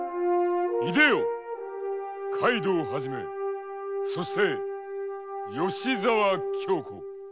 いでよ海道はじめそして吉沢京子。